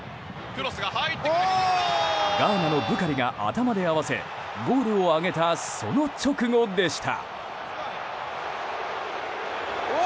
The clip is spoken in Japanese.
ガーナのブカリが頭で合わせゴールを挙げたその直後でした。